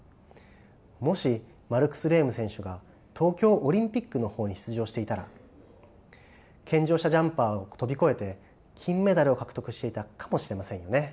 もしマルクス・レーム選手が東京オリンピックの方に出場していたら健常者ジャンパーを飛び越えて金メダルを獲得していたかもしれませんよね。